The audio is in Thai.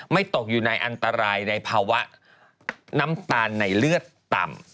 ตกอยู่ในอันตรายในภาวะน้ำตาลในเลือดต่ำ